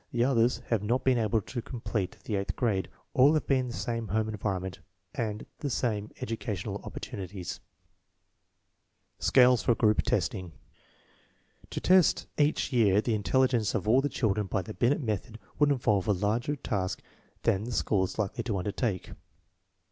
The others have not been able to complete the eighth PRINCIPLES OP INTELLIGENCE TESTING 15 grade. All have had the same home environment and the same educational opportunities. 1 Scales for group testing. To test each year the intelligence of all the children by the Binet method would involve a larger task than the school is likely to undertake.